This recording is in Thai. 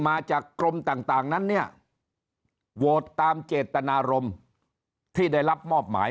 มาจากกรมต่างนั้นเนี่ยโหวตตามเจตนารมณ์ที่ได้รับมอบหมาย